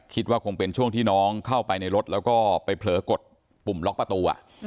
คิดว่าคงเป็นช่วงที่น้องเข้าไปในรถแล้วก็ไปเผลอกดปุ่มล็อกประตู